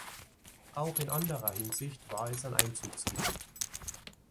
Auch in anderer Hinsicht war es ein „Einzugsgebiet“.